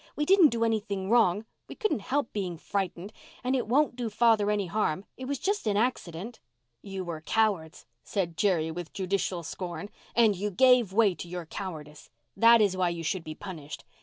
"We didn't do anything wrong. We couldn't help being frightened. And it won't do father any harm. It was just an accident." "You were cowards," said Jerry with judicial scorn, "and you gave way to your cowardice. That is why you should be punished.